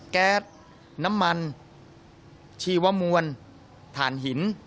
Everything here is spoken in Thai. แก๊สน้ำมันชีวมวลฐานหิน